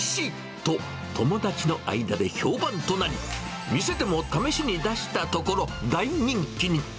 と、友達の間で評判となり、店でも試しに出したところ、大人気に。